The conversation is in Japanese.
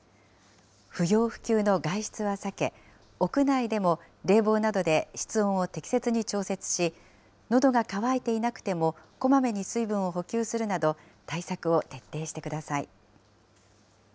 不要不急の外出は避け、屋内でも冷房などで室温を適切に調節し、のどが渇いていなくてもこまめに水分を補給するなど、対策を徹底してください。